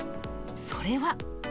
それは。